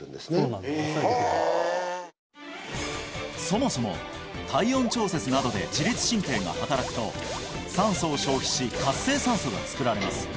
そもそも体温調節などで自律神経が働くと酸素を消費し活性酸素が作られます